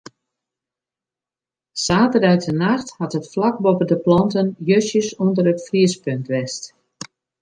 Saterdeitenacht hat it flak boppe de planten justjes ûnder it friespunt west.